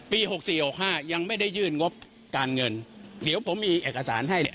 ปี๖๔๖๕ยังไม่ได้ยื่นงบการเงินเดี๋ยวผมมีเอกสารให้